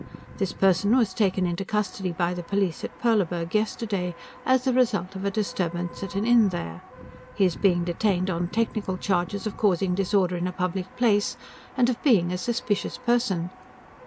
This person was taken into custody by the police at Perleburg yesterday, as a result of a disturbance at an inn there; he is being detained on technical charges of causing disorder in a public place, and of being a suspicious person.